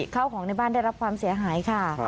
ข้าวของในบ้านได้รับความเสียหายค่ะ